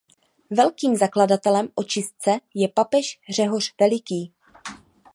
Velkým zakladatelem očistce je papež Řehoř Veliký.